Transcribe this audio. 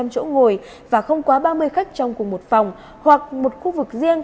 năm chỗ ngồi và không quá ba mươi khách trong cùng một phòng hoặc một khu vực riêng